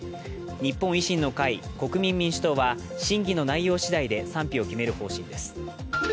日本維新の会、国民民主党は審議の内容しだいで賛否を決める方針です。